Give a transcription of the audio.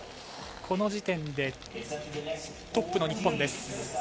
この時点でトップの日本です。